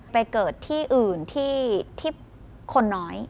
เกิดที่อื่นที่คนน้อย